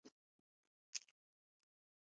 اعتبار کارتونه د مالي چارو برخه ده.